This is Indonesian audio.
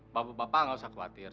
bapak bapak nggak usah khawatir